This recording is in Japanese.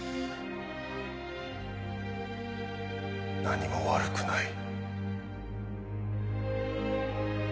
何も悪くない。